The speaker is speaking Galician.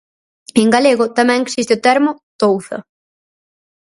En galego tamén existe o termo touza.